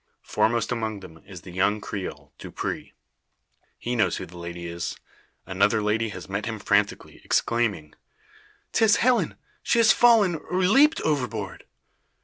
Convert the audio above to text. Foremost among them is the young Creole, Dupre. He knows who the lady is. Another lady has met him frantically, exclaiming "'Tis Helen! She has fallen, or leaped overboard."